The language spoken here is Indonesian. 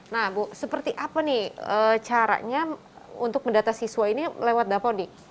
nah bu seperti apa nih caranya untuk mendata siswa ini lewat dapodik